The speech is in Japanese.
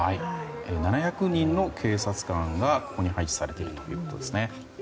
７００人の警察官が配置されているということです。